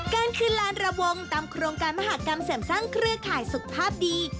การคืนลานระวงตามโครงการมหากรรมเสริมสร้างเครือข่ายสุขภาพดี